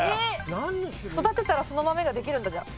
育てたらその豆ができるんだじゃあ。